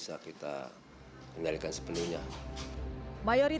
mayoritas penduduk kampung rawa bukanlah penduduk yang berpengalaman